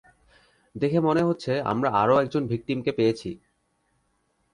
দেখে মনে হচ্ছে আমরা আরো একজন ভিক্টিমকে পেয়েছি।